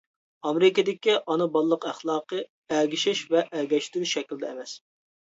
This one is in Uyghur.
ئامېرىكىدىكى ئانا-بالىلىق ئەخلاقى ئەگىشىش ۋە ئەگەشتۈرۈش شەكلىدە ئەمەس.